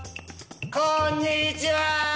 こんにちは！